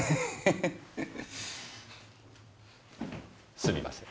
すみません。